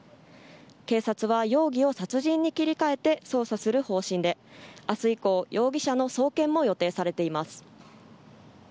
警察は容疑を殺人に切り替えて捜査する方針で明日以降容疑者の送検も予定されています。